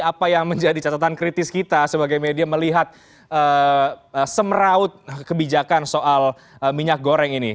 apa yang menjadi catatan kritis kita sebagai media melihat semeraut kebijakan soal minyak goreng ini